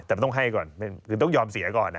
แต่มันต้องให้ก่อนคือต้องยอมเสียก่อน